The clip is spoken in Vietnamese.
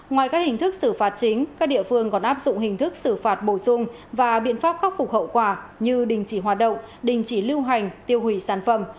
ngoài các hình thức xử phạt chính các địa phương còn áp dụng hình thức xử phạt bổ sung và biện pháp khắc phục hậu quả như đình chỉ hoạt động đình chỉ lưu hành tiêu hủy sản phẩm